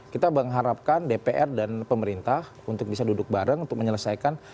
kita mengharapkan dpr dan pemerintah untuk bisa duduk bareng untuk menyelesaikan